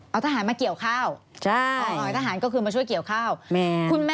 เอาทหารมาเกี่ยวเข้าอ๋อทหารก็คือมาช่วยเกี่ยวเข้าคุณแม่เคยเห็นพูดว่าพูดว่าพูดว่า